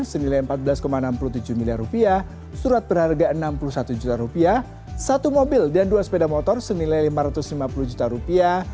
senilai empat belas enam puluh tujuh miliar rupiah surat berharga enam puluh satu juta rupiah satu mobil dan dua sepeda motor senilai lima ratus lima puluh juta rupiah